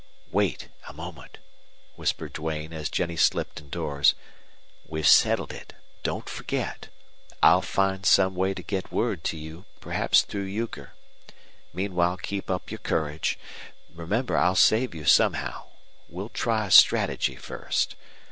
"Wait a moment," whispered Duane, as Jennie slipped indoors. "We've settled it. Don't forget. I'll find some way to get word to you, perhaps through Euchre. Meanwhile keep up your courage. Remember I'll save you somehow. We'll try strategy first.